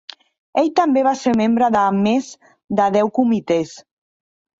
Ell també va ser membre de més de deu comitès.